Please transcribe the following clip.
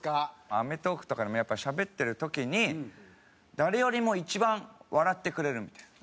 『アメトーーク』とかでもやっぱりしゃべってる時に誰よりも一番笑ってくれるみたいな。